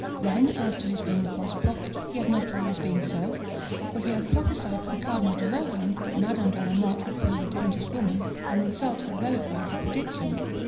Then, as to his being a false prophet, he had not always been so; for he had prophesied to the Cardinal de Rohan, that Madame de la Motte would prove a dangerous woman, and the result had verified the prediction.